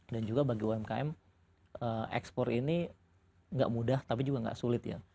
dan juga bagi umkm export ini gak mudah tapi juga gak sulit ya